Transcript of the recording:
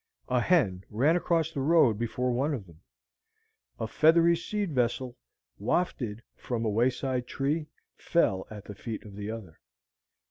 A hen ran across the road before one of them. A feathery seed vessel, wafted from a wayside tree, fell at the feet of the other.